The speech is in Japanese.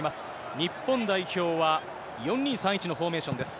日本代表は、４・２・３・１のフォーメーションです。